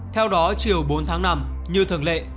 theo đó chiều bốn tháng năm như thường lệ